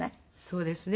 そうですね。